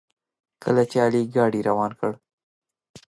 کله چې علي ګاډي روان کړ.